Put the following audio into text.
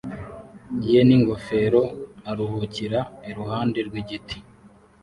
ye n'ingofero aruhukira iruhande rw'igiti